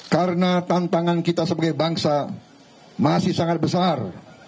karena tantangan kita sebagai bangsa masih sangat besar